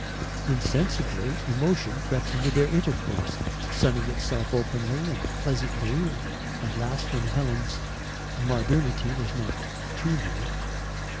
Insensibly emotion crept into their intercourse, sunning itself openly and pleasantly at last when Helen's modernity was not too near.